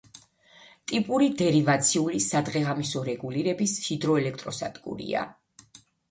ტიპური დერივაციული სადღეღამისო რეგულირების ჰიდროელექტროსადგურია.